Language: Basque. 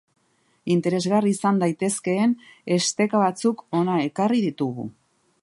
Interesgarri izan daitezkeen esteka batzuk hona ekarri ditugu.